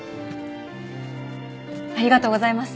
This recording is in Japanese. ありがとうございます。